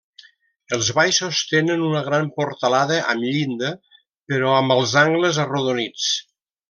Els baixos tenen una gran portalada amb llinda però amb els angles arrodonits.